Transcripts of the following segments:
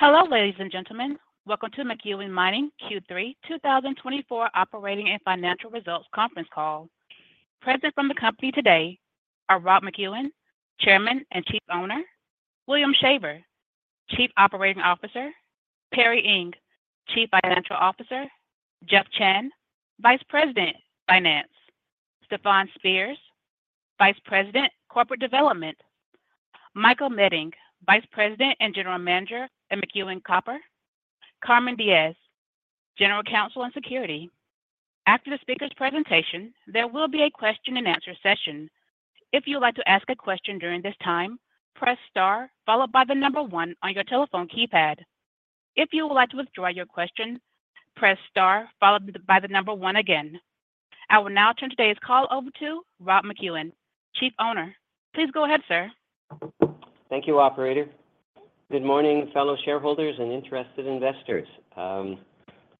Hello, ladies and gentlemen. Welcome to McEwen Mining Q3 2024 Operating and Financial Results Conference Call. Present from the company today are Rob McEwen, Chairman and Chief Owner, William Shaver, Chief Operating Officer, Perry Ing, Chief Financial Officer, Jeff Chan, Vice President, Finance, Stefan Spears, Vice President, Corporate Development, Michael Meding, Vice President and General Manager at McEwen Copper, Carmen Diges, General Counsel and Secretary. After the speaker's presentation, there will be a question-and-answer session. If you would like to ask a question during this time, press star followed by the number one on your telephone keypad. If you would like to withdraw your question, press star followed by the number one again. I will now turn today's call over to Rob McEwen, Chief Owner. Please go ahead, sir. Thank you, Operator. Good morning, fellow shareholders and interested investors.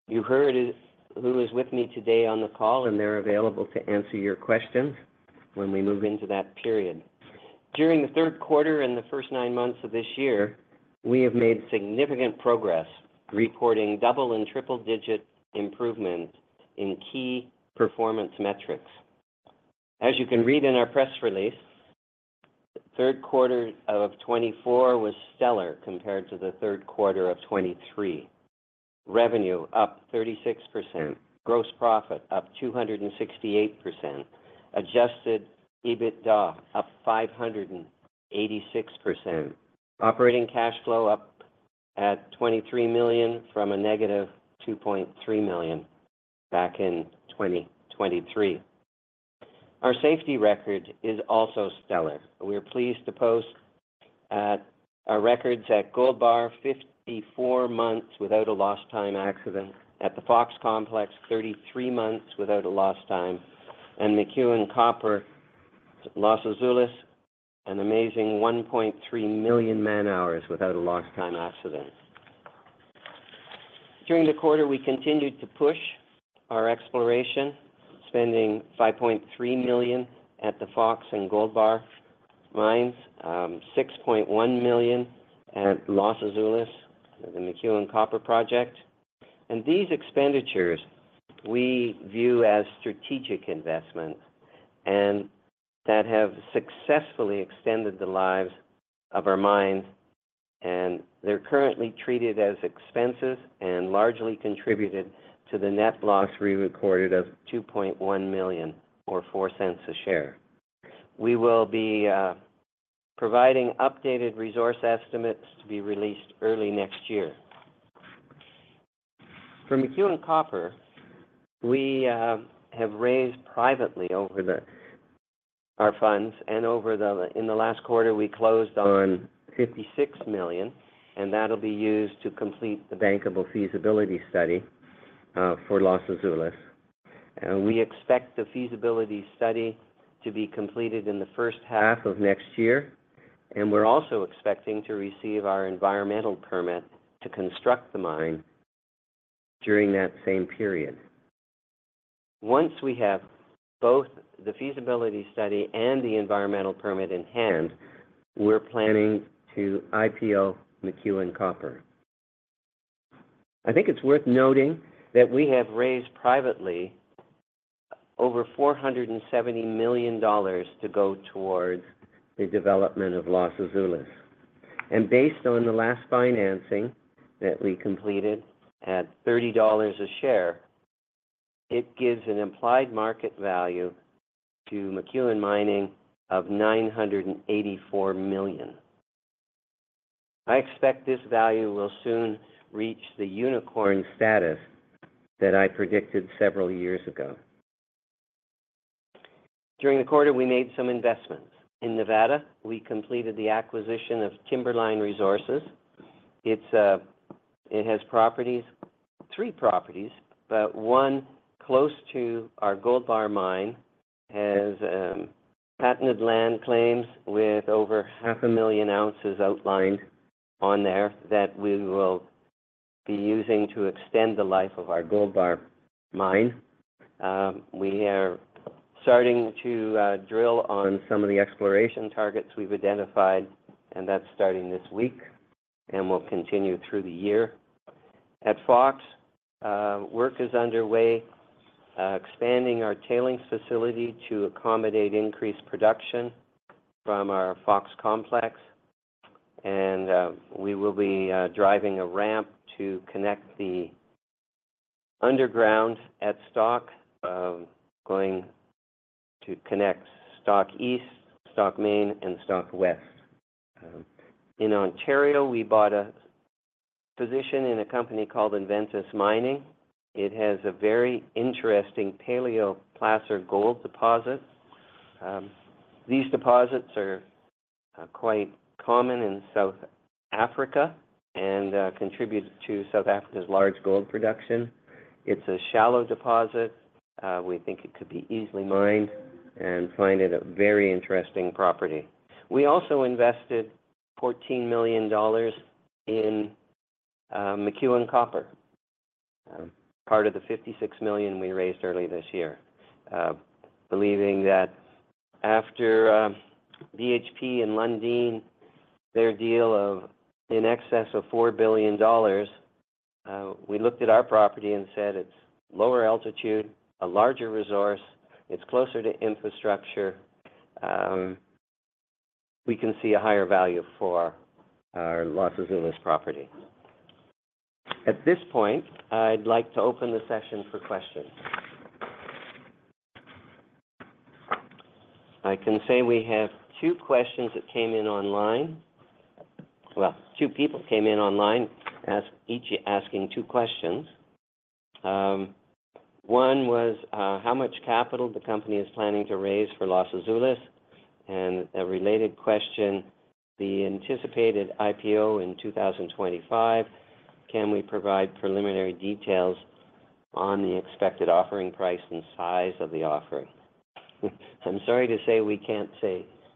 You heard who is with me today on the call, and they're available to answer your questions when we move into that period. During the third quarter and the first nine months of this year, we have made significant progress, reporting double and triple-digit improvement in key performance metrics. As you can read in our press release, the third quarter of 2024 was stellar compared to the third quarter of 2023. Revenue up 36%, gross profit up 268%, adjusted EBITDA up 586%, operating cash flow up at $23 million from a negative $2.3 million back in 2023. Our safety record is also stellar. We're pleased to post our records at Gold Bar, 54 months without a lost time accident, at the Fox Complex, 33 months without a lost time, and McEwen Copper Los Azules, an amazing 1.3 million man-hours without a lost time accident. During the quarter, we continued to push our exploration, spending $5.3 million at the Fox and Gold Bar mines, $6.1 million at Los Azules at the McEwen Copper Project, and these expenditures we view as strategic investment and that have successfully extended the lives of our mines, and they're currently treated as expenses and largely contributed to the net loss we recorded of $2.1 million or four cents a share. We will be providing updated resource estimates to be released early next year. For McEwen Copper, we have raised privately over our funds, and in the last quarter, we closed on $56 million, and that'll be used to complete the bankable feasibility study for Los Azules. We expect the feasibility study to be completed in the first half of next year, and we're also expecting to receive our environmental permit to construct the mine during that same period. Once we have both the feasibility study and the environmental permit in hand, we're planning to IPO McEwen Copper. I think it's worth noting that we have raised privately over $470 million to go towards the development of Los Azules, and based on the last financing that we completed at $30 a share, it gives an implied market value to McEwen Mining of $984 million. I expect this value will soon reach the unicorn status that I predicted several years ago. During the quarter, we made some investments. In Nevada, we completed the acquisition of Timberline Resources. It has properties, three properties, but one close to our Gold Bar Mine has patented land claims with over 500,000 ounces outlined on there that we will be using to extend the life of our Gold Bar Mine. We are starting to drill on some of the exploration targets we've identified, and that's starting this week and will continue through the year. At Fox, work is underway expanding our tailings facility to accommodate increased production from our Fox Complex, and we will be driving a ramp to connect the underground at Stock, going to connect Stock East, Stock Main, and Stock West. In Ontario, we bought a position in a company called Inventus Mining. It has a very interesting paleoplacer gold deposit. These deposits are quite common in South Africa and contribute to South Africa's large gold production. It's a shallow deposit. We think it could be easily mined and find it a very interesting property. We also invested $14 million in McEwen Copper, part of the $56 million we raised early this year, believing that after BHP and Lundin, their deal of in excess of $4 billion, we looked at our property and said it's lower altitude, a larger resource, it's closer to infrastructure. We can see a higher value for our Los Azules property. At this point, I'd like to open the session for questions. I can say we have two questions that came in online. Well, two people came in online each asking two questions. One was how much capital the company is planning to raise for Los Azules, and a related question, the anticipated IPO in 2025, can we provide preliminary details on the expected offering price and size of the offering? I'm sorry to say we can't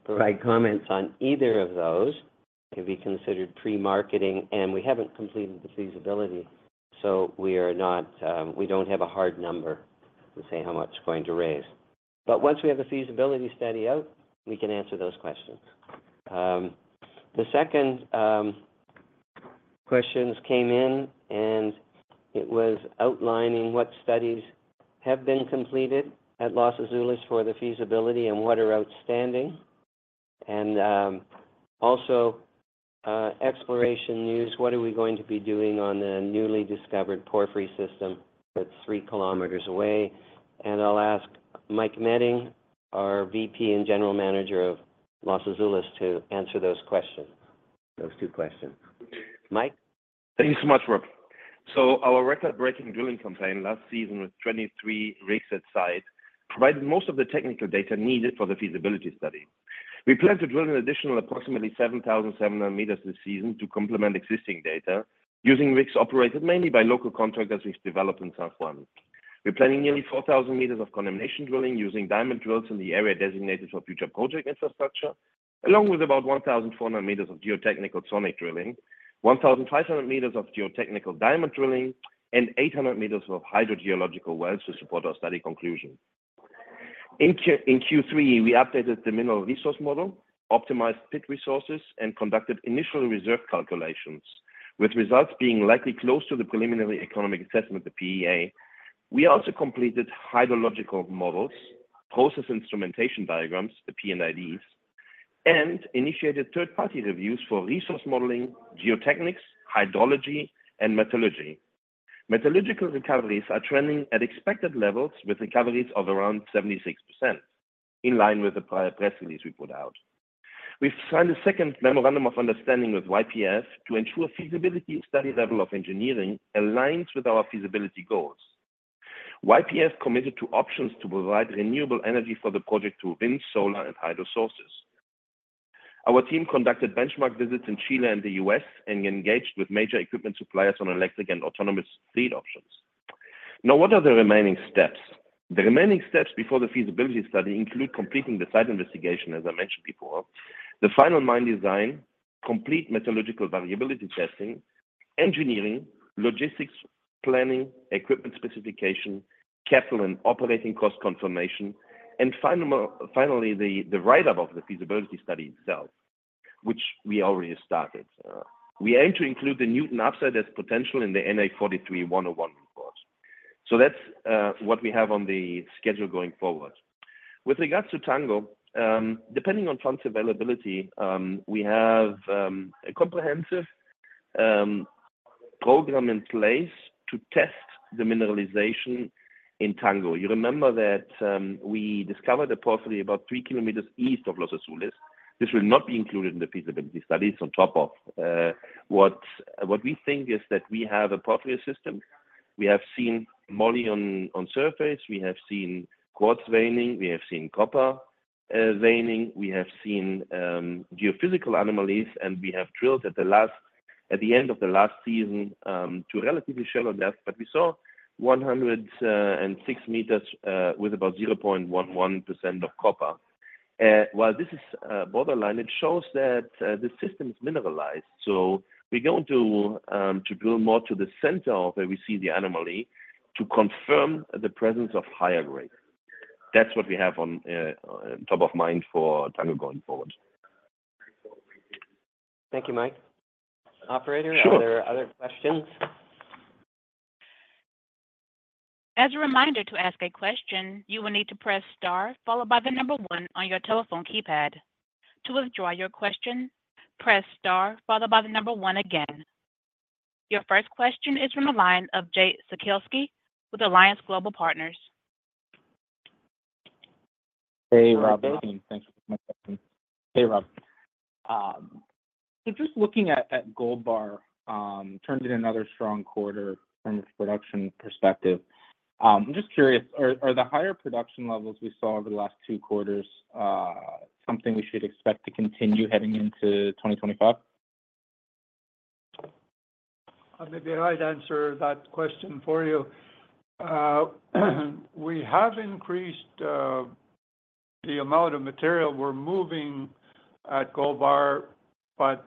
provide comments on either of those. It could be considered pre-marketing, and we haven't completed the feasibility, so we don't have a hard number to say how much we're going to raise. But once we have the feasibility study out, we can answer those questions. The second questions came in, and it was outlining what studies have been completed at Los Azules for the feasibility and what are outstanding. Also, exploration news, what are we going to be doing on the newly discovered porphyry system that's 3 km away? I'll ask Mike Meding, our VP and General Manager of Los Azules, to answer those questions, those two questions. Mike. Thank you so much, Rob. So our record-breaking drilling campaign last season with 23 rigs at site provided most of the technical data needed for the feasibility study. We plan to drill an additional approximately 7,700 meters this season to complement existing data using rigs operated mainly by local contractors we've developed in San Juan. We're planning nearly 4,000 meters of condemnation drilling using diamond drills in the area designated for future project infrastructure, along with about 1,400 meters of geotechnical sonic drilling, 1,500 meters of geotechnical diamond drilling, and 800 meters of hydrogeological wells to support our study conclusion. In Q3, we updated the mineral resource model, optimized pit resources, and conducted initial reserve calculations, with results being likely close to the preliminary economic assessment, the PEA. We also completed hydrological models, process instrumentation diagrams, the P&IDs, and initiated third-party reviews for resource modeling, geotechnics, hydrology, and metallurgy. Metallurgical recoveries are trending at expected levels with recoveries of around 76%, in line with the prior press release we put out. We've signed a second memorandum of understanding with YPF to ensure feasibility study level of engineering aligns with our feasibility goals. YPF committed to options to provide renewable energy for the project to wind, solar, and hydro sources. Our team conducted benchmark visits in Chile and the U.S. and engaged with major equipment suppliers on electric and autonomous fleet options. Now, what are the remaining steps? The remaining steps before the feasibility study include completing the site investigation, as I mentioned before, the final mine design, complete metallurgical variability testing, engineering, logistics planning, equipment specification, capital and operating cost confirmation, and finally, the write-up of the feasibility study itself, which we already started. We aim to include the Nuton upside as potential in the NI 43-101 report. So that's what we have on the schedule going forward. With regards to Tango, depending on funds availability, we have a comprehensive program in place to test the mineralization in Tango. You remember that we discovered a porphyry about 3 kilometers east of Los Azules. This will not be included in the feasibility studies on top of what we think is that we have a porphyry system. We have seen moly on surface. We have seen quartz veining. We have seen copper veining. We have seen geophysical anomalies, and we have drilled at the end of the last season to relatively shallow depth, but we saw 106 meters with about 0.11% of copper. While this is borderline, it shows that the system is mineralized. So we're going to drill more to the center of where we see the anomaly to confirm the presence of higher grade. That's what we have on top of mind for Tango going forward. Thank you, Mike. Operator, are there other questions? As a reminder to ask a question, you will need to press star followed by the number one on your telephone keypad. To withdraw your question, press star followed by the number one again. Your first question is from Jake Sekelsky of Alliance Global Partners. Hey, Rob. Thanks for coming back. Hey, Rob. So just looking at Gold Bar, it turned in another strong quarter from a production perspective. I'm just curious, are the higher production levels we saw over the last two quarters something we should expect to continue heading into 2025? I may be right to answer that question for you. We have increased the amount of material we're moving at Gold Bar, but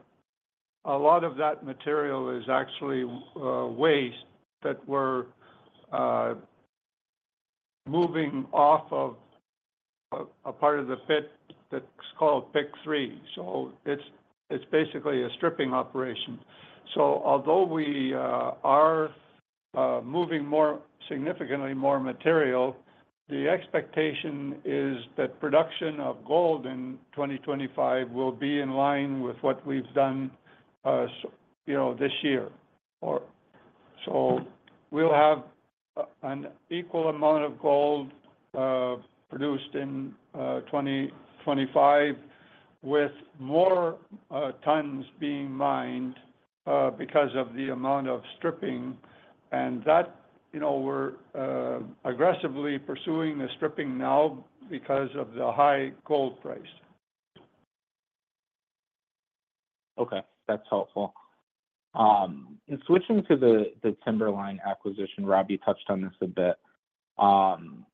a lot of that material is actually waste that we're moving off of a part of the pit that's called Pit 3, so it's basically a stripping operation. So although we are moving significantly more material, the expectation is that production of gold in 2025 will be in line with what we've done this year, so we'll have an equal amount of gold produced in 2025 with more tons being mined because of the amount of stripping, and we're aggressively pursuing the stripping now because of the high gold price. Okay. That's helpful. Switching to the Timberline acquisition, Rob, you touched on this a bit. Can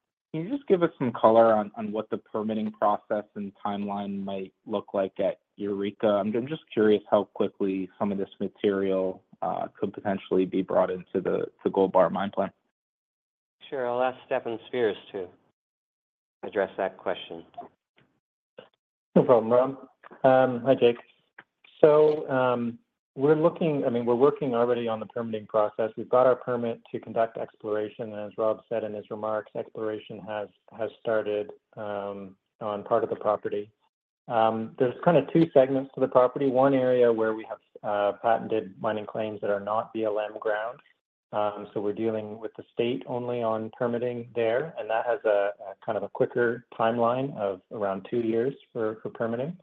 you just give us some color on what the permitting process and timeline might look like at Eureka? I'm just curious how quickly some of this material could potentially be brought into the Gold Bar Mine plan. Sure. I'll ask Stefan Spears to address that question. No problem, Rob. Hi, Jake. So we're looking, I mean, we're working already on the permitting process. We've got our permit to conduct exploration. And as Rob said in his remarks, exploration has started on part of the property. There's kind of two segments to the property: one area where we have patented mining claims that are not BLM ground. So we're dealing with the state only on permitting there, and that has kind of a quicker timeline of around two years for permitting.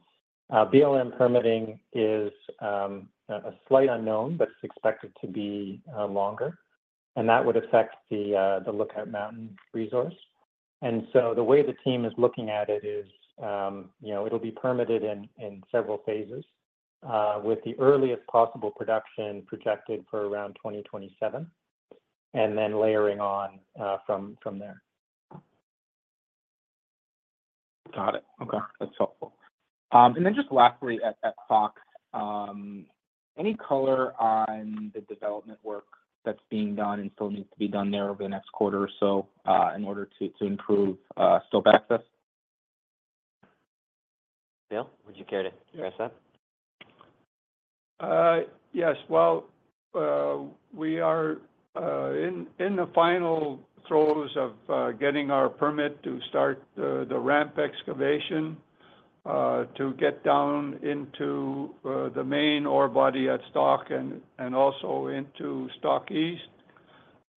BLM permitting is a slight unknown, but it's expected to be longer, and that would affect the Lookout Mountain resource. And so the way the team is looking at it is it'll be permitted in several phases, with the earliest possible production projected for around 2027, and then layering on from there. Got it. Okay. That's helpful. And then just lastly at Fox, any color on the development work that's being done and still needs to be done there over the next quarter or so in order to improve slope access? Bill, would you care to address that? Yes. Well, we are in the final throes of getting our permit to start the ramp excavation to get down into the main ore body at Stock and also into Stock East.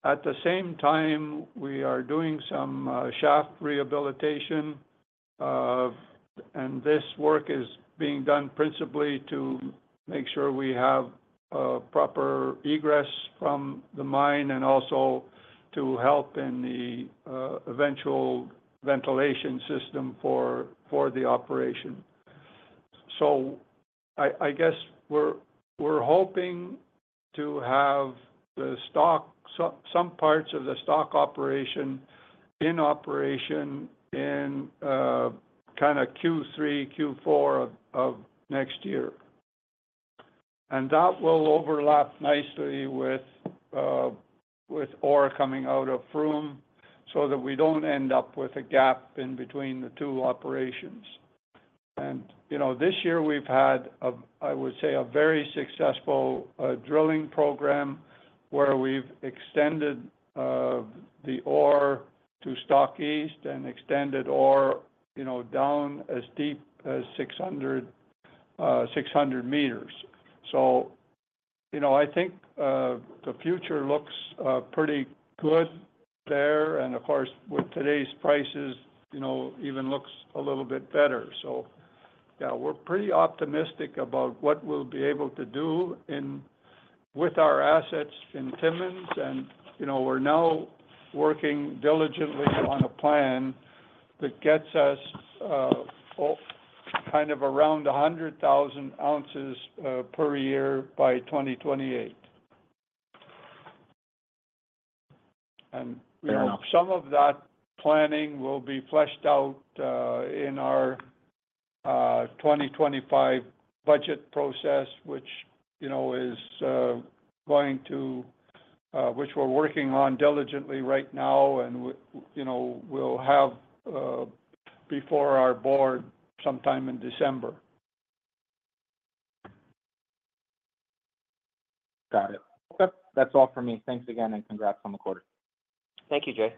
At the same time, we are doing some shaft rehabilitation, and this work is being done principally to make sure we have proper egress from the mine and also to help in the eventual ventilation system for the operation. So I guess we're hoping to have some parts of the Stock operation in operation in kind of Q3, Q4 of next year. And that will overlap nicely with ore coming out of Froome so that we don't end up with a gap in between the two operations. And this year, we've had, I would say, a very successful drilling program where we've extended the ore to Stock East and extended ore down as deep as 600 meters. I think the future looks pretty good there. Of course, with today's prices, it even looks a little bit better. Yeah, we're pretty optimistic about what we'll be able to do with our assets in Timmins. We're now working diligently on a plan that gets us kind of around 100,000 ounces per year by 2028. Some of that planning will be fleshed out in our 2025 budget process, which we're working on diligently right now, and we'll have before our board sometime in December. Got it. Okay. That's all for me. Thanks again, and congrats on the quarter. Thank you, Jay.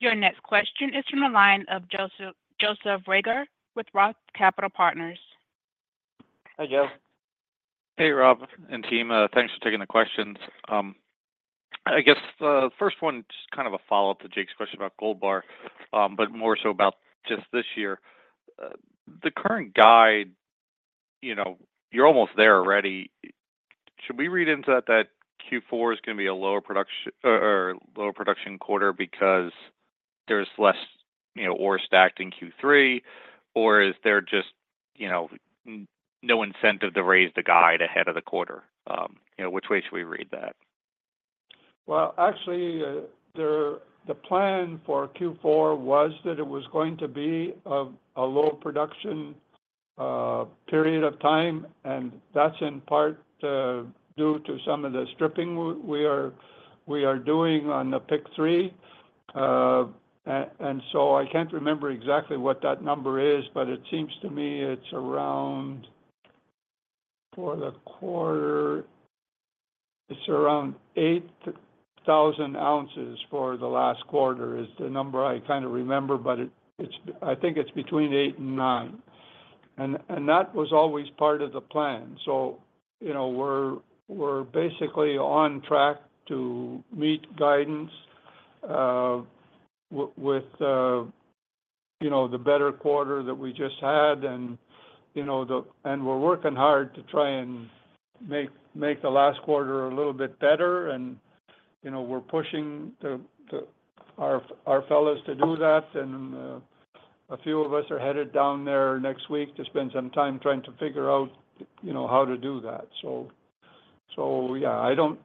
Your next question is from the line of Joe Reagor with Roth Capital Partners. Hi, Joe. Hey, Rob and team. Thanks for taking the questions. I guess the first one is kind of a follow-up to Jake's question about Gold Bar, but more so about just this year. The current guide, you're almost there already. Should we read into that that Q4 is going to be a lower production quarter because there's less ore stacked in Q3, or is there just no incentive to raise the guide ahead of the quarter? Which way should we read that? Actually, the plan for Q4 was that it was going to be a low production period of time, and that's in part due to some of the stripping we are doing on the Pit 3. I can't remember exactly what that number is, but it seems to me it's around, for the quarter, it's around 8,000 ounces for the last quarter, is the number I kind of remember, but I think it's between 8 and 9. That was always part of the plan. We're basically on track to meet guidance with the better quarter that we just had. We're working hard to try and make the last quarter a little bit better. We're pushing our fellows to do that. A few of us are headed down there next week to spend some time trying to figure out how to do that. So yeah, I don't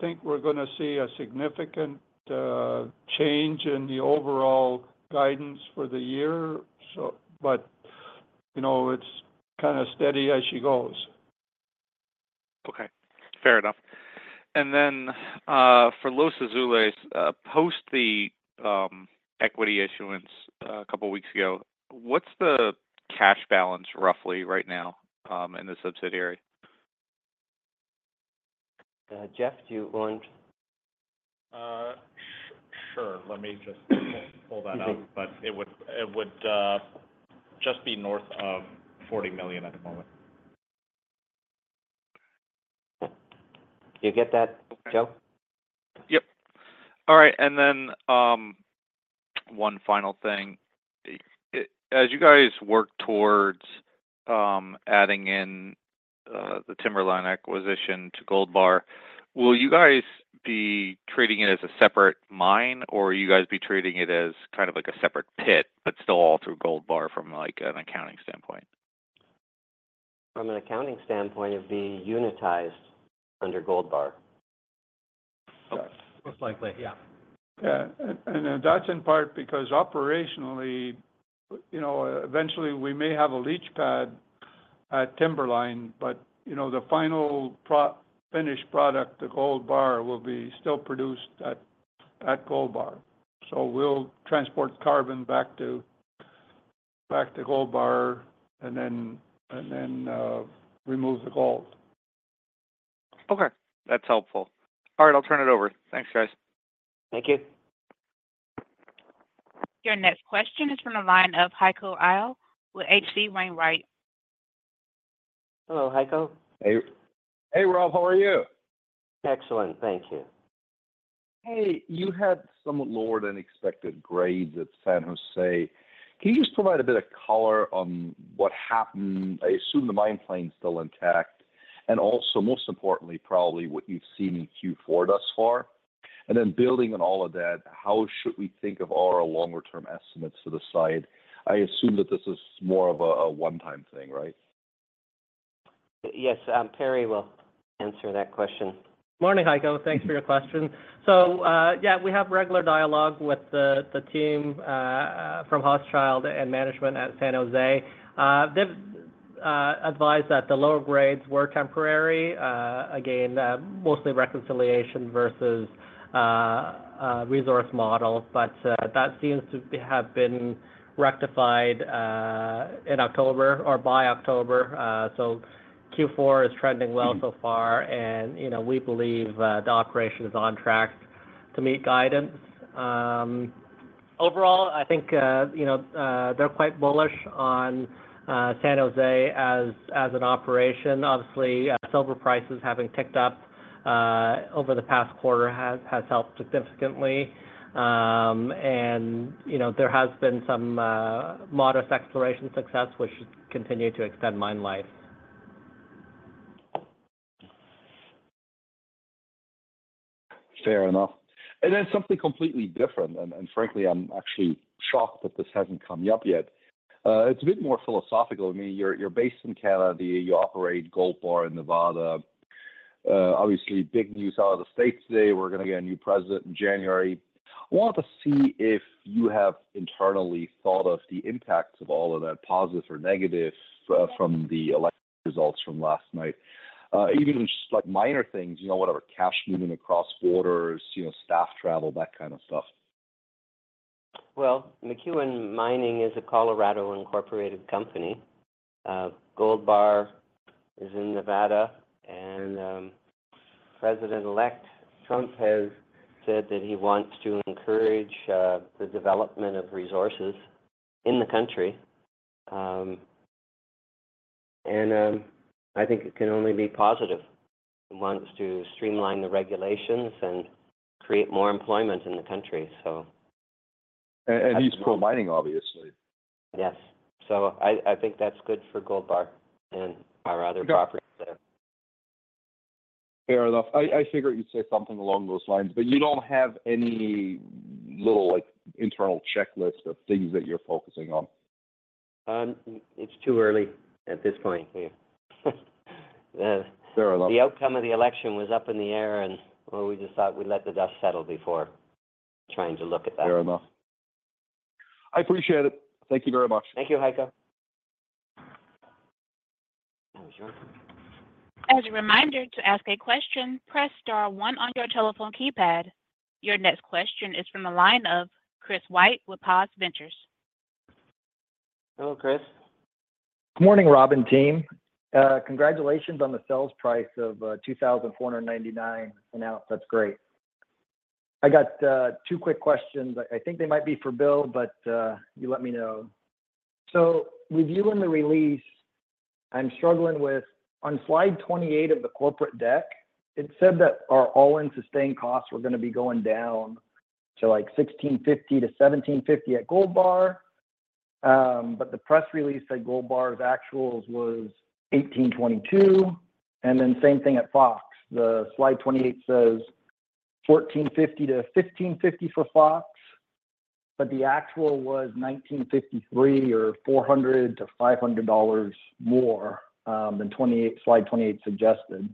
think we're going to see a significant change in the overall guidance for the year, but it's kind of steady as she goes. Okay. Fair enough. And then for Los Azules, post the equity issuance a couple of weeks ago, what's the cash balance roughly right now in the subsidiary? Jeff, do you want? Sure. Let me just pull that up. But it would just be north of $40 million at the moment. You get that, Joe? Yep. All right. And then one final thing. As you guys work towards adding in the Timberline acquisition to Gold Bar, will you guys be treating it as a separate mine, or will you guys be treating it as kind of like a separate pit but still all through Gold Bar from an accounting standpoint? From an accounting standpoint, it'd be unitized under Gold Bar. Most likely, yeah. Yeah. And that's in part because operationally, eventually, we may have a leach pad at Timberline, but the final finished product, the Gold Bar, will be still produced at Gold Bar. So we'll transport carbon back to Gold Bar and then remove the gold. Okay. That's helpful. All right. I'll turn it over. Thanks, guys. Thank you. Your next question is from the line of Heiko Ihle with H.C. Wainwright. Hello, Heiko. Hey. Hey, Rob. How are you? Excellent. Thank you. Hey, you had somewhat lower than expected grades at San Jose. Can you just provide a bit of color on what happened? I assume the mine plan's still intact. And also, most importantly, probably what you've seen in Q4 thus far. And then building on all of that, how should we think of our longer-term estimates for the site? I assume that this is more of a one-time thing, right? Yes. Perry will answer that question. Morning, Heiko. Thanks for your question. So yeah, we have regular dialogue with the team from Hochschild and management at San Jose. They've advised that the lower grades were temporary, again, mostly reconciliation versus resource model. But that seems to have been rectified in October or by October. So Q4 is trending well so far, and we believe the operation is on track to meet guidance. Overall, I think they're quite bullish on San Jose as an operation. Obviously, silver prices having ticked up over the past quarter has helped significantly. And there has been some modest exploration success, which continues to extend mine life. Fair enough. And then something completely different, and frankly, I'm actually shocked that this hasn't come up yet. It's a bit more philosophical. I mean, you're based in Canada. You operate Gold Bar in Nevada. Obviously, big news out of the States today. We're going to get a new president in January. I wanted to see if you have internally thought of the impacts of all of that, positive or negative, from the election results from last night. Even just minor things, whatever, cash moving across borders, staff travel, that kind of stuff. McEwen Mining is a Colorado incorporated company. Gold Bar is in Nevada. President-elect Trump has said that he wants to encourage the development of resources in the country. I think it can only be positive. He wants to streamline the regulations and create more employment in the country, so. He's pro-mining, obviously. Yes. So I think that's good for Gold Bar and our other properties there. Fair enough. I figured you'd say something along those lines, but you don't have any little internal checklist of things that you're focusing on? It's too early at this point. Fair enough. The outcome of the election was up in the air, and we just thought we'd let the dust settle before trying to look at that. Fair enough. I appreciate it. Thank you very much. Thank you, Heiko. As a reminder, to ask a question, press star one on your telephone keypad. Your next question is from the line of Chris White with Pax Ventures. Hello, Chris. Good morning, Rob and team. Congratulations on the sales price of $2,499 an ounce. That's great. I got two quick questions. I think they might be for Bill, but you let me know. Reviewing the release, I'm struggling with on slide 28 of the corporate deck. It said that our all-in sustaining costs were going to be going down to like $1,650-$1,750 at Gold Bar. But the press release said Gold Bar's actuals was $1,822. And then same thing at Fox. The slide 28 says $1,450-$1,550 for Fox, but the actual was $1,953 or $400-$500 more than slide 28 suggested.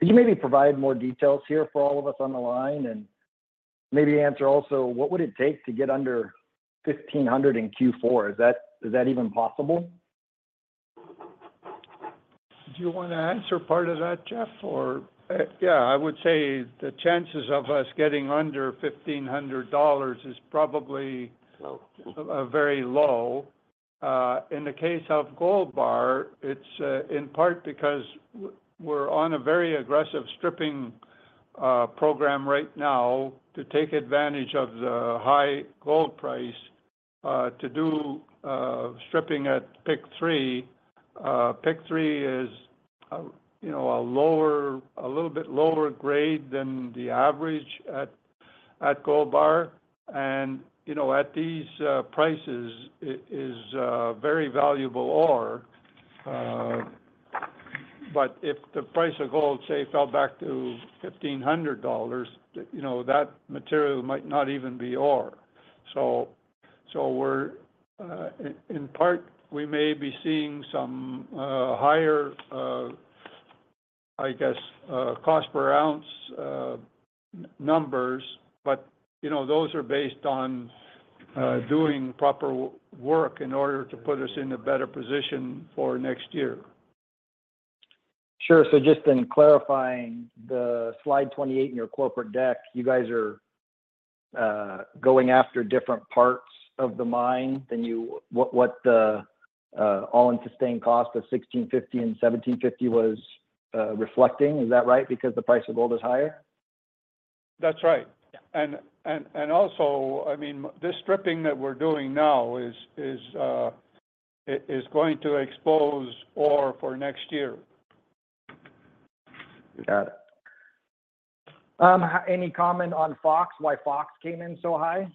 Could you maybe provide more details here for all of us on the line? And maybe answer also, what would it take to get under $1,500 in Q4? Is that even possible? Do you want to answer part of that, Jeff, or? Yeah. I would say the chances of us getting under $1,500 is probably very low. In the case of Gold Bar, it's in part because we're on a very aggressive stripping program right now to take advantage of the high gold price to do stripping at Pit 3. Pit 3 is a little bit lower grade than the average at Gold Bar. And at these prices, it is very valuable ore. But if the price of ore, say, fell back to $1,500, that material might not even be ore. So in part, we may be seeing some higher, I guess, cost per ounce numbers, but those are based on doing proper work in order to put us in a better position for next year. Sure. So just in clarifying, the slide 28 in your corporate deck, you guys are going after different parts of the mine than what the all-in sustaining cost of $1,650 and $1,750 was reflecting. Is that right? Because the price of gold is higher? That's right, and also, I mean, this stripping that we're doing now is going to expose ore for next year. Got it. Any comment on Fox, why Fox came in so high?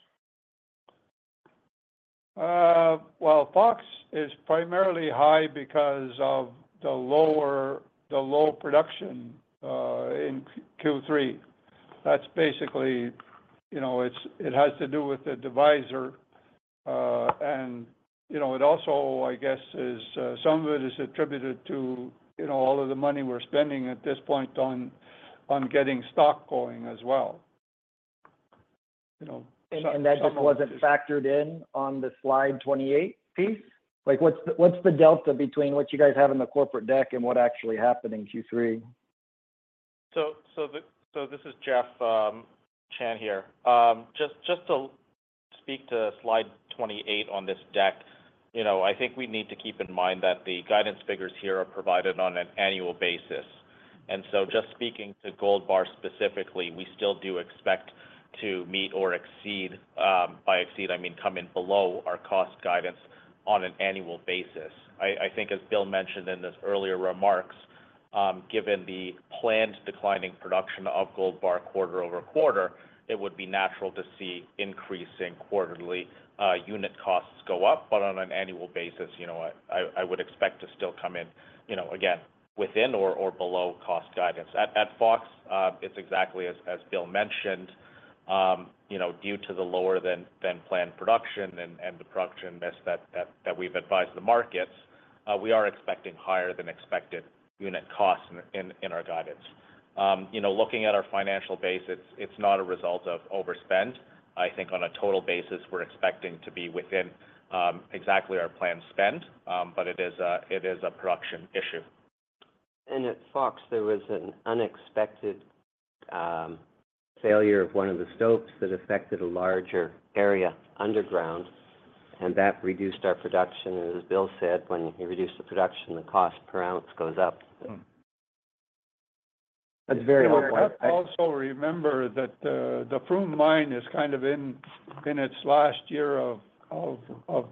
Fox is primarily high because of the low production in Q3. That's basically it. It has to do with the divisor. And it also, I guess, some of it is attributed to all of the money we're spending at this point on getting Stock going as well. That just wasn't factored in on the Slide 28 piece? What's the delta between what you guys have in the corporate deck and what actually happened in Q3? So this is Jeff Chan here. Just to speak to slide 28 on this deck, I think we need to keep in mind that the guidance figures here are provided on an annual basis. And so just speaking to Gold Bar specifically, we still do expect to meet or exceed, by exceed I mean come in below our cost guidance on an annual basis. I think, as Bill mentioned in his earlier remarks, given the planned declining production of Gold Bar quarter over quarter, it would be natural to see increasing quarterly unit costs go up. But on an annual basis, I would expect to still come in, again, within or below cost guidance. At Fox, it's exactly as Bill mentioned. Due to the lower-than-planned production and the production miss that we've advised the markets, we are expecting higher-than-expected unit costs in our guidance. Looking at our financial base, it's not a result of overspend. I think on a total basis, we're expecting to be within exactly our planned spend, but it is a production issue. And at Fox, there was an unexpected failure of one of the stoves that affected a larger area underground, and that reduced our production. As Bill said, when you reduce the production, the cost per ounce goes up. That's very helpful. Also, remember that the Froome mine is kind of in its last year of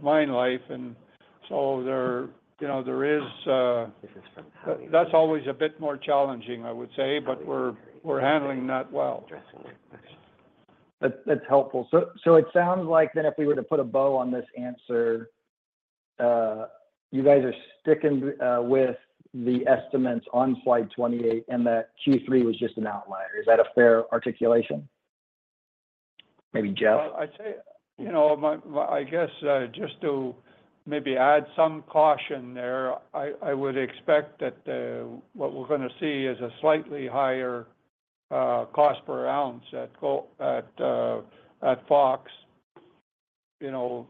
mine life. And so there is. That's always a bit more challenging, I would say, but we're handling that well. That's helpful. So it sounds like then if we were to put a bow on this answer, you guys are sticking with the estimates on slide 28 and that Q3 was just an outlier. Is that a fair articulation? Maybe Jeff? I guess just to maybe add some caution there, I would expect that what we're going to see is a slightly higher cost per ounce at Fox. And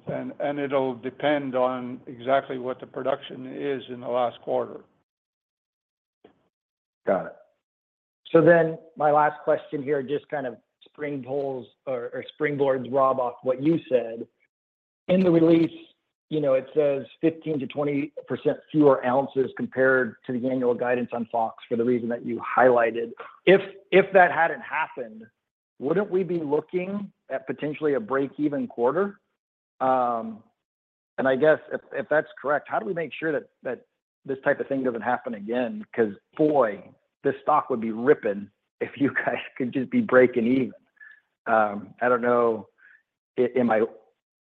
it'll depend on exactly what the production is in the last quarter. Got it. So then my last question here, just kind of springboards, Rob, off what you said. In the release, it says 15%-20% fewer ounces compared to the annual guidance on Fox for the reason that you highlighted. If that hadn't happened, wouldn't we be looking at potentially a break-even quarter? And I guess if that's correct, how do we make sure that this type of thing doesn't happen again? Because, boy, this stock would be ripping if you guys could just be breaking even. I don't know. Am I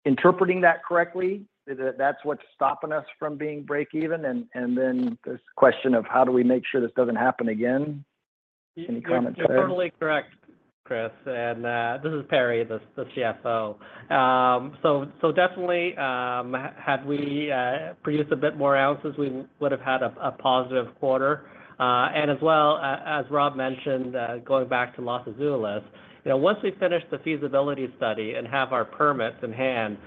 interpreting that correctly? That's what's stopping us from being break-even? And then this question of how do we make sure this doesn't happen again? Any comment there? Yeah. That's totally correct, Chris. And this is Perry, the CFO. So definitely, had we produced a bit more ounces, we would have had a positive quarter. And as well as Rob mentioned, going back to Los Azules, once we finish the feasibility study and have our permits in hand,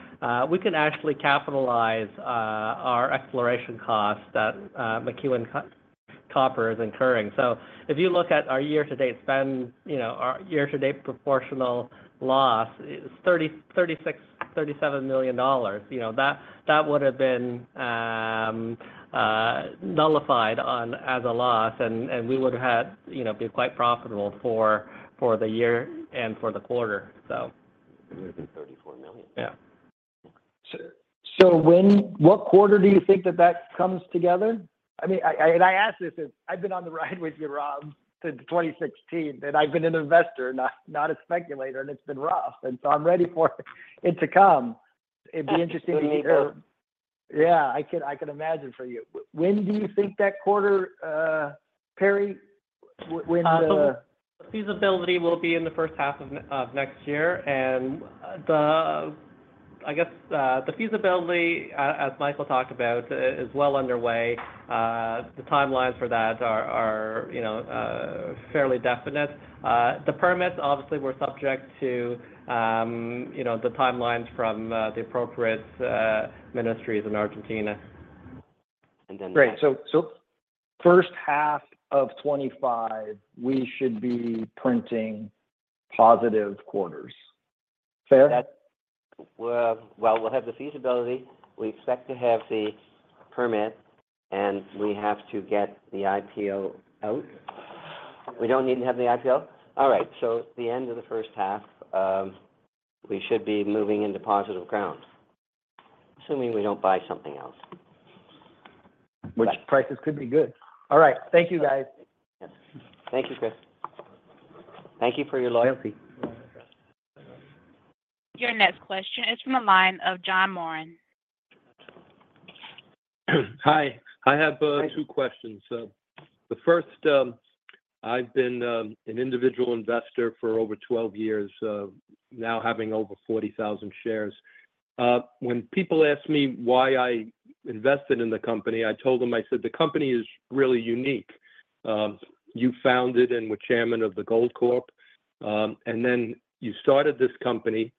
we can actually capitalize our exploration costs that McEwen Copper is incurring. So if you look at our year-to-date spend, our year-to-date proportional loss, it's $36-$37 million. That would have been nullified as a loss, and we would have been quite profitable for the year and for the quarter, so. It would have been $34 million. Yeah. So what quarter do you think that that comes together? I mean, and I ask this since I've been on the ride with you, Rob, since 2016, and I've been an investor, not a speculator, and it's been rough. And so I'm ready for it to come. It'd be interesting to hear. It's going to be hard. Yeah. I can imagine for you. When do you think that quarter, Perry? The feasibility will be in the first half of next year, and I guess the feasibility, as Michael talked about, is well underway. The timelines for that are fairly definite. The permits, obviously, we're subject to the timelines from the appropriate ministries in Argentina. And then. Great. So first half of 2025, we should be printing positive quarters. Fair? Well, we'll have the feasibility. We expect to have the permit, and we have to get the IPO out. We don't need to have the IPO? All right. So the end of the first half, we should be moving into positive ground, assuming we don't buy something else. Which prices could be good? All right. Thank you, guys. Thank you, Chris. Thank you for your loyalty. Your next question is from the line of John Morin. Hi. I have two questions. The first, I've been an individual investor for over 12 years, now having over 40,000 shares. When people ask me why I invested in the company, I told them, I said, "The company is really unique. You founded and were chairman of the Goldcorp. And then you started this company.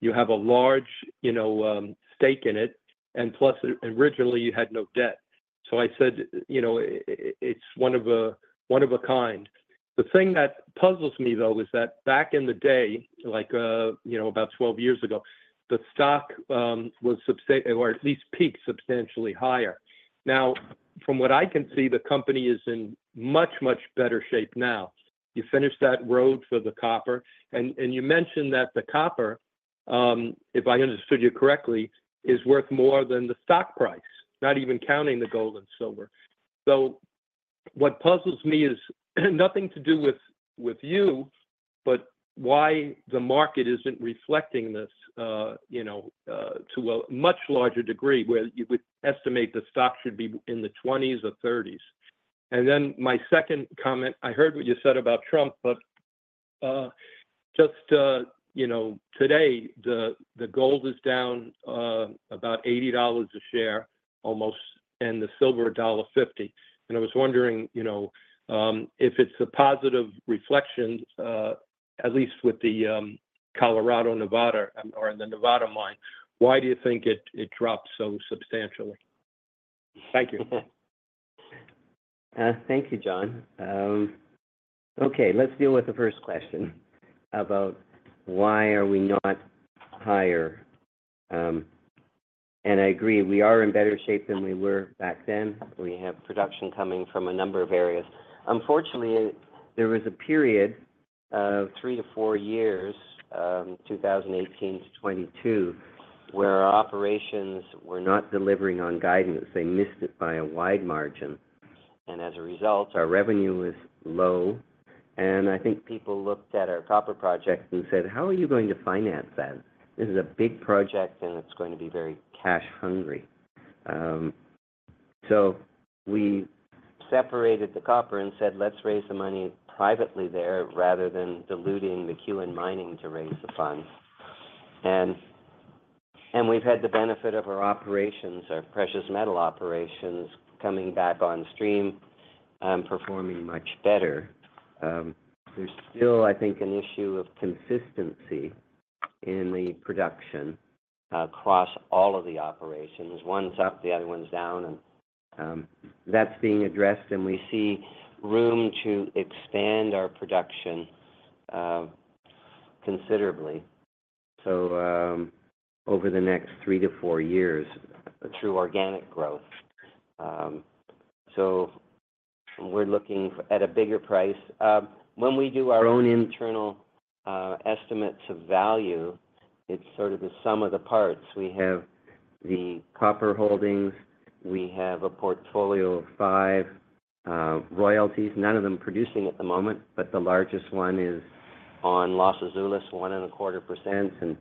You have a large stake in it. And plus, originally, you had no debt." So I said, "It's one of a kind." The thing that puzzles me, though, is that back in the day, like about 12 years ago, the stock was substantially or at least peaked substantially higher. Now, from what I can see, the company is in much, much better shape now. You finished that road for the copper. You mentioned that the copper, if I understood you correctly, is worth more than the stock price, not even counting the gold and silver. What puzzles me is nothing to do with you, but why the market isn't reflecting this to a much larger degree, where you would estimate the stock should be in the 20s or 30s. My second comment: I heard what you said about Trump, but just today, the gold is down about $80 a share almost, and the silver $1.50. I was wondering if it's a positive reflection, at least with the Colorado-Nevada or the Nevada mine. Why do you think it dropped so substantially? Thank you. Thank you, John. Okay. Let's deal with the first question about why are we not higher, and I agree. We are in better shape than we were back then. We have production coming from a number of areas. Unfortunately, there was a period of three to four years, 2018 to 2022, where our operations were not delivering on guidance. They missed it by a wide margin, and as a result, our revenue was low, and I think people looked at our copper project and said, "How are you going to finance that? This is a big project, and it's going to be very cash-hungry, so we separated the copper and said, "Let's raise the money privately there rather than diluting McEwen Mining to raise the funds," and we've had the benefit of our operations, our precious metal operations, coming back on stream and performing much better. There's still, I think, an issue of consistency in the production across all of the operations. One's up, the other one's down, and that's being addressed. And we see room to expand our production considerably over the next three to four years through organic growth, so we're looking at a bigger picture. When we do our own internal estimates of value, it's sort of the sum of the parts. We have the copper holdings. We have a portfolio of five royalties, none of them producing at the moment, but the largest one is on Los Azules, 1.25%. And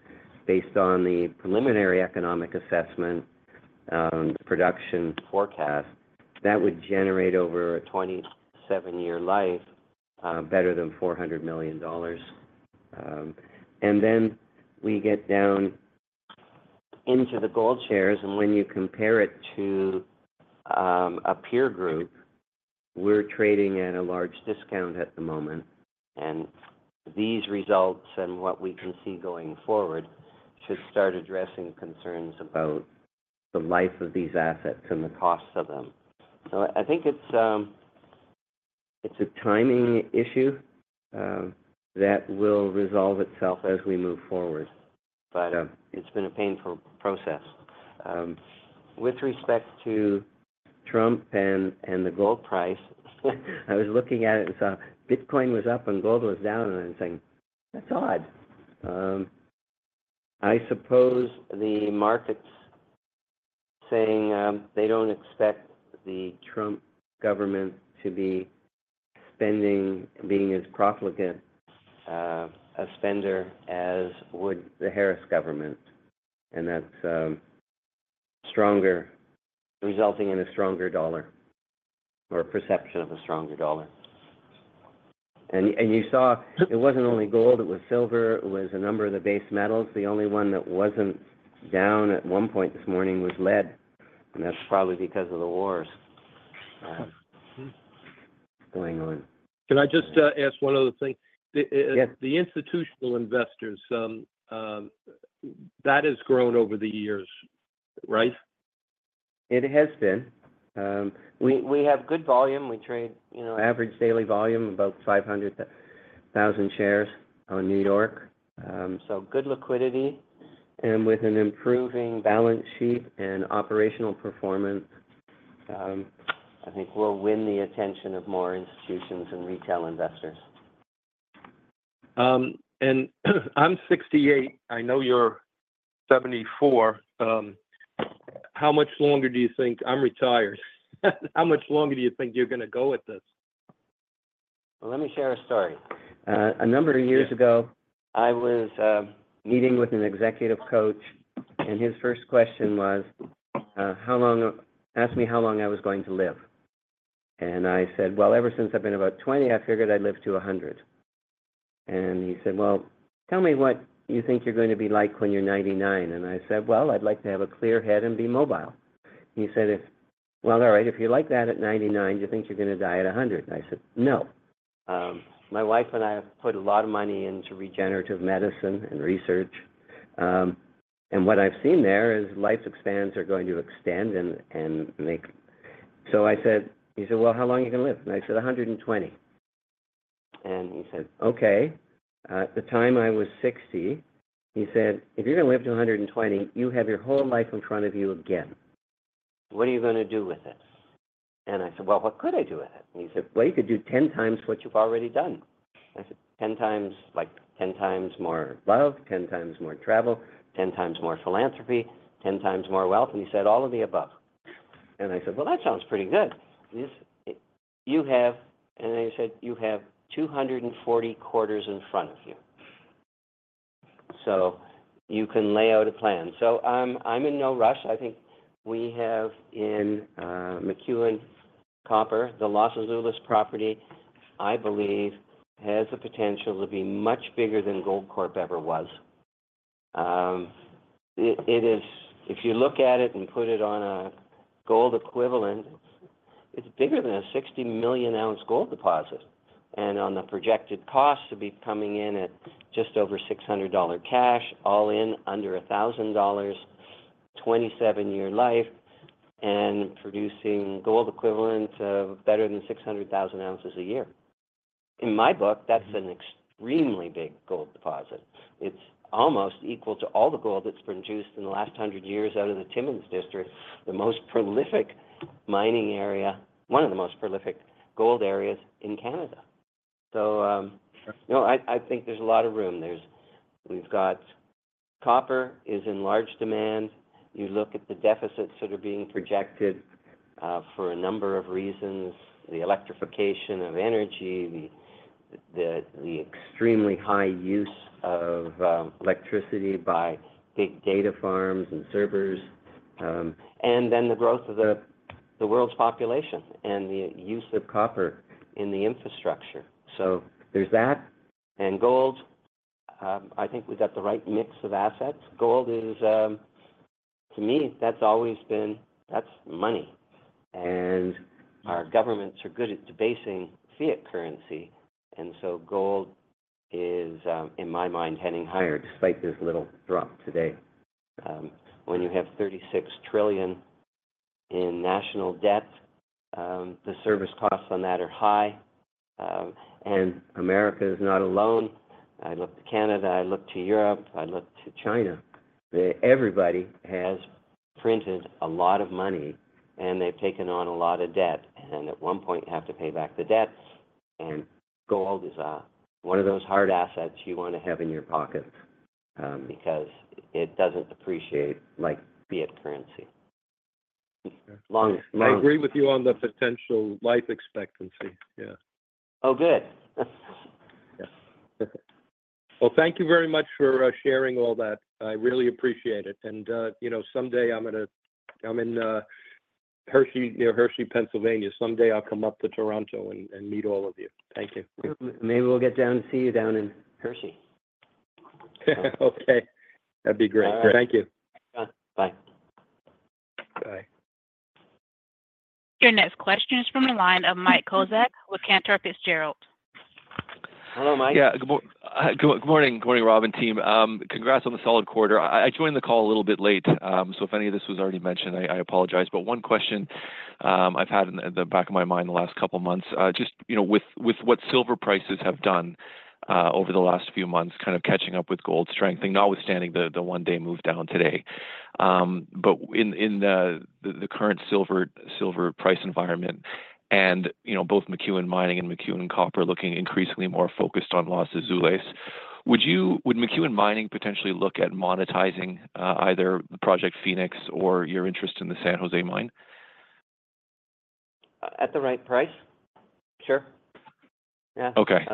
based on the preliminary economic assessment, production forecast, that would generate over a 27-year life better than $400 million, and then we get down into the gold shares. And when you compare it to a peer group, we're trading at a large discount at the moment. These results and what we can see going forward should start addressing concerns about the life of these assets and the costs of them. So I think it's a timing issue that will resolve itself as we move forward. But it's been a painful process. With respect to Trump and the gold price, I was looking at it and saw Bitcoin was up and gold was down, and I was saying, "That's odd." I suppose the market's saying they don't expect the Trump government to be spending, being as profligate a spender as would the Harris government. And that's resulting in a stronger dollar or a perception of a stronger dollar. And you saw it wasn't only gold. It was silver. It was a number of the base metals. The only one that wasn't down at one point this morning was lead. That's probably because of the wars going on. Can I just ask one other thing? Yes. The institutional investors, that has grown over the years, right? It has been. We have good volume. We trade average daily volume about 500,000 shares on New York. So good liquidity. And with an improving balance sheet and operational performance, I think we'll win the attention of more institutions and retail investors. I'm 68. I know you're 74. How much longer do you think I'm retired? How much longer do you think you're going to go with this? Let me share a story. A number of years ago, I was meeting with an executive coach, and his first question was, "How long?" He asked me how long I was going to live. I said, "Well, ever since I've been about 20, I figured I'd live to 100." He said, "Well, tell me what you think you're going to be like when you're 99." I said, "Well, I'd like to have a clear head and be mobile." He said, "Well, all right. If you're like that at 99, do you think you're going to die at 100?" I said, "No." My wife and I have put a lot of money into regenerative medicine and research. What I've seen there is life expectancies are going to extend and make. So I said, he said, "Well, how long are you going to live?" And I said, "120." And he said, "Okay." At the time I was 60, he said, "If you're going to live to 120, you have your whole life in front of you again. What are you going to do with it?" And I said, "Well, what could I do with it?" And he said, "Well, you could do 10 times what you've already done." I said, "10 times like 10 times more love, 10 times more travel, 10 times more philanthropy, 10 times more wealth." And he said, "All of the above." And I said, "Well, that sounds pretty good. You have" and I said, "You have 240 quarters in front of you. So you can lay out a plan." So I'm in no rush. I think we have in McEwen Copper, the Los Azules property, I believe, has the potential to be much bigger than Goldcorp ever was. If you look at it and put it on a gold equivalent, it's bigger than a 60 million-ounce gold deposit. And on the projected cost, it'd be coming in at just over $600 cash, all in under $1,000, 27-year life, and producing gold equivalent of better than 600,000 ounces a year. In my book, that's an extremely big gold deposit. It's almost equal to all the gold that's produced in the last 100 years out of the Timmins District, the most prolific mining area, one of the most prolific gold areas in Canada. So I think there's a lot of room. We've got copper is in large demand. You look at the deficits that are being projected for a number of reasons: the electrification of energy, the extremely high use of electricity by big data farms and servers, and then the growth of the world's population and the use of copper in the infrastructure. So there's that. And gold, I think we've got the right mix of assets. Gold is, to me, that's always been that's money. And our governments are good at debasing fiat currency. And so gold is, in my mind, heading higher despite this little drop today. When you have 36 trillion in national debt, the service costs on that are high. And America is not alone. I look to Canada. I look to Europe. I look to China. Everybody has printed a lot of money, and they've taken on a lot of debt. And at one point, you have to pay back the debt. Gold is one of those hard assets you want to have in your pocket because it doesn't appreciate like fiat currency. I agree with you on the potential life expectancy. Yeah. Oh, good. Thank you very much for sharing all that. I really appreciate it. Someday, I'm in Hershey, near Hershey, Pennsylvania. Someday, I'll come up to Toronto and meet all of you. Thank you. Maybe we'll get down to see you down in Hershey. Okay. That'd be great. Thank you. Bye. Bye. Your next question is from the line of Mike Kozak with Cantor Fitzgerald. Hello, Mike. Yeah. Good morning. Good morning, Rob and team. Congrats on the solid quarter. I joined the call a little bit late. So if any of this was already mentioned, I apologize. But one question I've had in the back of my mind the last couple of months, just with what silver prices have done over the last few months, kind of catching up with gold strength, notwithstanding the one-day move down today, but in the current silver price environment and both McEwen Mining and McEwen Copper looking increasingly more focused on Los Azules, would McEwen Mining potentially look at monetizing either the Project Fenix or your interest in the San Jose mine? At the right price. Sure. Yeah. Okay.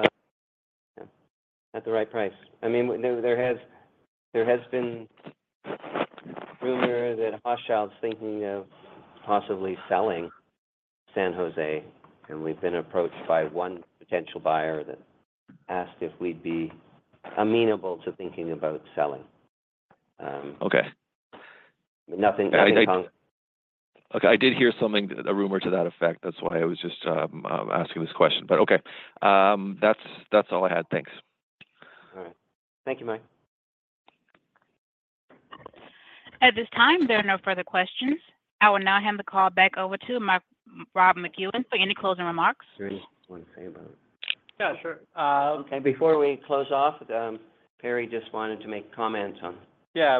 At the right price. I mean, there has been rumor that Hochschild is thinking of possibly selling San José. And we've been approached by one potential buyer that asked if we'd be amenable to thinking about selling. Okay. Nothing coming up. Okay. I did hear something, a rumor to that effect. That's why I was just asking this question. But okay. That's all I had. Thanks. All right. Thank you, Mike. At this time, there are no further questions. I will now hand the call back over to Rob McEwen for any closing remarks. I just want to say about. Yeah. Sure. Okay. Before we close off, Perry just wanted to make comments on. Yeah.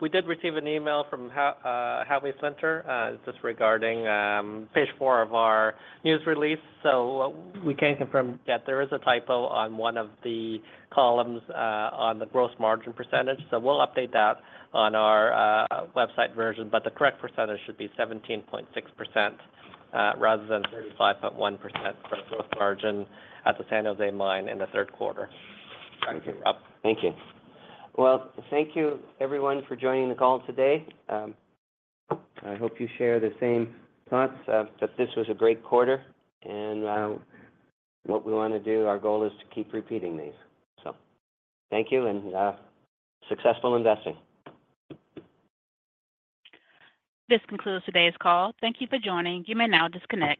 We did receive an email from Howie Center just regarding page four of our news release. So we can confirm that there is a typo on one of the columns on the gross margin percentage. So we'll update that on our website version. But the correct percentage should be 17.6% rather than 35.1% for gross margin at the San Jose Mine in the third quarter. Thank you, Rob. Thank you. Well, thank you, everyone, for joining the call today. I hope you share the same thoughts that this was a great quarter. And what we want to do, our goal is to keep repeating these. So thank you and successful investing. This concludes today's call. Thank you for joining. You may now disconnect.